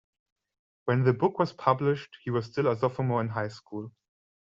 When the book was published, he was still a sophomore in high school.